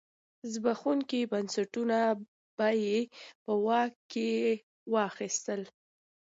زبېښونکي بنسټونه یې په خپل واک کې واخیستل.